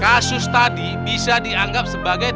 kasus tadi bisa dianggap sebagai